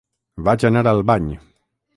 Vaig anar al bany.